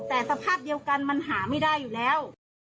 แต่สภาพเดียวกันมันหาไม่ได้อยู่แล้ว